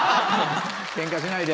ケンカしないで。